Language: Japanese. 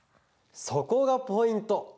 そこがポイント。